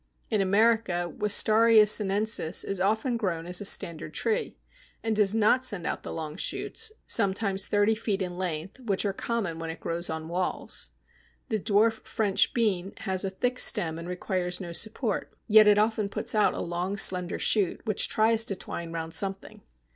In America, Wistaria sinensis is often grown as a standard tree, and does not send out the long shoots, sometimes thirty feet in length, which are common when it grows on walls. The dwarf French Bean has a thick stem and requires no support, yet it often puts out a long slender shoot which tries to twine round something.